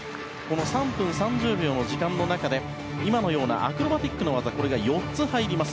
３分３０秒の時間の中でアクロバティックな技が４つ入ります。